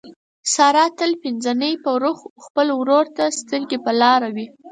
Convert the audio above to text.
ساره تل د پینځه نۍ په ورخ خپل ورور ته سترګې په لاره وي.